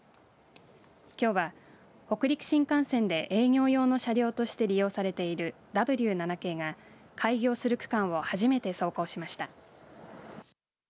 きょうは北陸新幹線で営業用の車両として利用されているＷ７系が開業する区間を始めて走行しました。